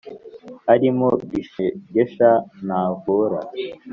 ”arimo gishegesha ntavura